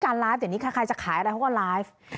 ไลฟ์เดี๋ยวนี้ใครจะขายอะไรเขาก็ไลฟ์